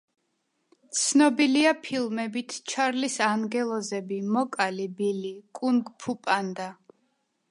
ცნობილია ფილმებით „ჩარლის ანგელოზები“, „მოკალი ბილი“, „კუნგ-ფუ პანდა“.